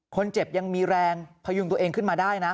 ยังมีแรงพยุงตัวเองขึ้นมาได้นะ